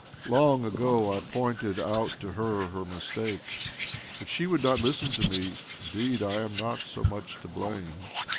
Long ago I pointed out to her her mistake, but she would not listen to me. Indeed I am not so much to blame."